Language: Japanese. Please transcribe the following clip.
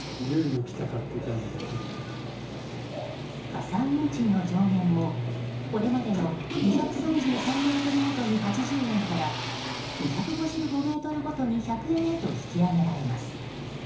加算運賃の上限もこれまでの２３３ｍごとに８０円から２５５ｍごとに１００円へと引き上げられます。